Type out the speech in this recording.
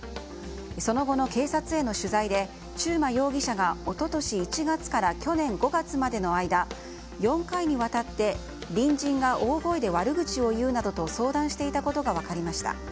その後の警察への取材で中馬容疑者が一昨年１月から去年５月までの間４回にわたって隣人が大声で悪口を言うなどと相談していたことが分かりました。